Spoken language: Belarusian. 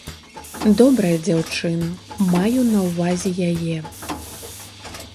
Добрая дзяўчына, маю на ўвазе яе.